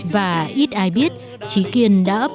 và ít ai biết trí kiên là một người sống